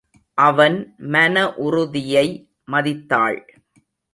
அவன் மன உறுதியை மதித்தாள்.